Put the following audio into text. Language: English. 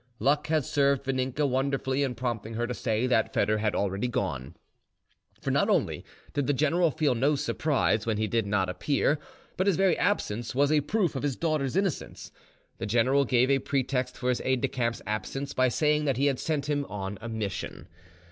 Luck had served Vaninka wonderfully in prompting her to say that Foedor had already gone; for not only did the general feel no surprise when he did not appear, but his very absence was a proof of his daughter's innocence. The general gave a pretext for his aide de camp's absence by saying that he had sent him on a mission.